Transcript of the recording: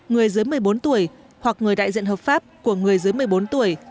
người dưới một mươi bốn tuổi hoặc người đại diện hợp pháp của người dưới một mươi bốn tuổi